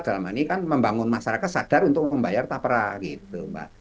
dalam hal ini kan membangun masyarakat sadar untuk membayar tapera gitu mbak